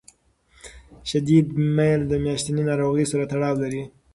شدید میل د میاشتنۍ ناروغۍ سره تړاو لري.